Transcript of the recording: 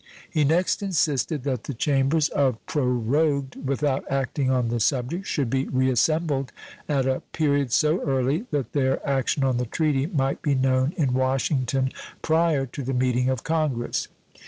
He next insisted that the Chambers, of prorogued without acting on the subject, should be reassembled at a period so early that their action on the treaty might be known in Washington prior to the meeting of Congress.